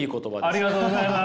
ありがとうございます！